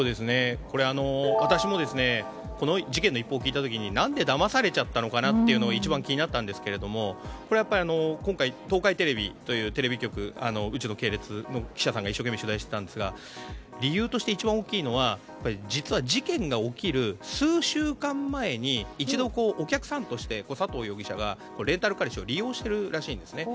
私もこの事件の一報を聞いた時に何でだまされちゃったのかなというのが一番気になったんですけども今回、東海テレビというテレビ局うちの系列の記者さんが一生懸命取材していたんですが理由として一番大きいのは実は事件が起きる数週間前に一度、お客さんとして佐藤容疑者がレンタル彼氏を利用しているらしいんです。